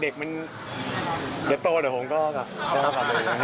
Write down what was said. เด็กมันเดี๋ยวโตเดี๋ยวผมก็กลับเลย